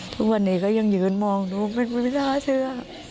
ทุกวันนี้ก็ยังยืนมองดูเป็นวิทยาเชื้อ